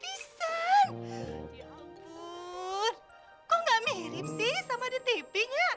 pisan ya ampun kok gak mirip sih sama di tv nya